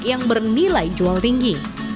yang bernilai jual tinggi